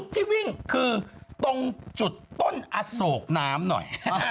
ที่วิ่งคือตรงจุดต้นอโศกน้ำหน่อย